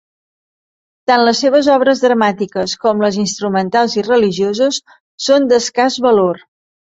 Tant les seves obres dramàtiques com les instrumentals i religioses, són d'escàs valor.